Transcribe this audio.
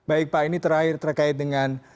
baik pak ini terakhir terkait dengan